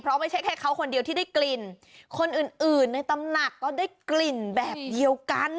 เพราะไม่ใช่แค่เขาคนเดียวที่ได้กลิ่นคนอื่นอื่นในตำหนักก็ได้กลิ่นแบบเดียวกัน